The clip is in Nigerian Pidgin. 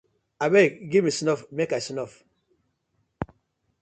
Abeg giv me snuff mek I snuff.